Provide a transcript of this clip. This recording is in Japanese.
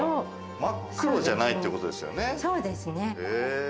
真っ黒じゃないってことですね。